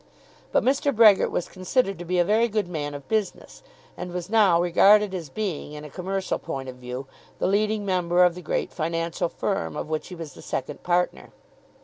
But Mr. Brehgert was considered to be a very good man of business, and was now regarded as being, in a commercial point of view, the leading member of the great financial firm of which he was the second partner.